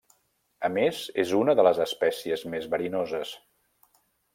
A més és una de les espècies més verinoses.